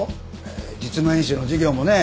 実務演習の授業もね